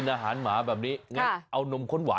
น่าจะเป็นเเม็ดนะครับ